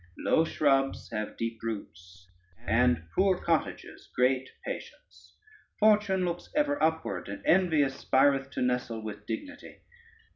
Low shrubs have deep roots, and poor cottages great patience. Fortune looks ever upward, and envy aspireth to nestle with dignity.